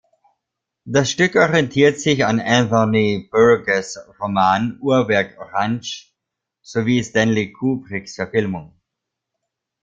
Das Stück orientiert sich an Anthony Burgess' Roman "Uhrwerk Orange" sowie Stanley Kubricks Verfilmung.